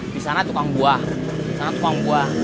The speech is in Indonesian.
di sana tukang buah sana tukang buah